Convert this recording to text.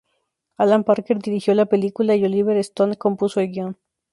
Alan Parker dirigió la película y Oliver Stone compuso el guion.